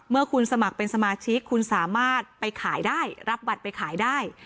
เมื่อคุณสมัครเป็นสมาชิกคุณสามารถไปขายได้รับบัตรไปขายได้